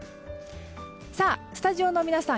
スタジオの皆さん